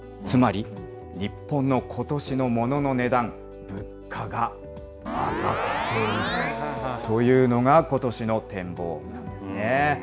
つまり、日本のことしの物の値段、物価が上がっていくというのが、ことしの展望なんですね。